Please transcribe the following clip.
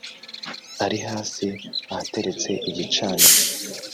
ari hasi ahateretse igicaniro